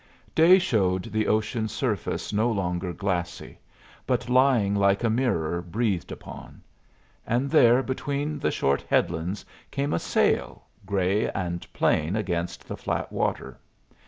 Day showed the ocean's surface no longer glassy, but lying like a mirror breathed upon; and there between the short headlands came a sail, gray and plain against the flat water.